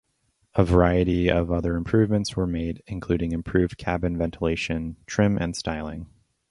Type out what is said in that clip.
A variety of other improvements were made including improved cabin ventilation, trim and styling.